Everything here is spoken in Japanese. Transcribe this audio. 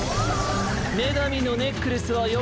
めがみのネックレスはよ